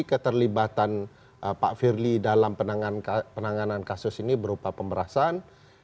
keterlibatan pak firly dalam penanganan kasus ini berupa pemberasan